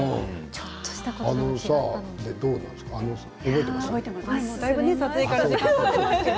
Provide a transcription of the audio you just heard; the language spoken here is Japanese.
ちょっとしたことなんですけど。